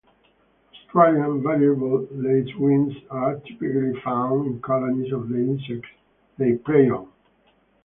Australian variable lacewings are typically found in colonies of the insects they prey on.